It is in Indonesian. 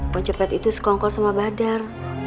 lo cepet itu sekongkol sama badar